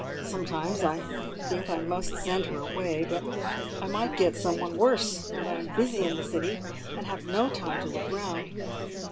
Sometimes I think I must send her away, but I might get some one worse; and I am busy in the city, and have no time to look round."